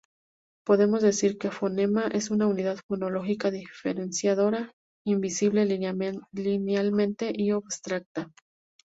Podemos decir que "fonema" es una unidad fonológica diferenciadora, indivisible linealmente y abstracta.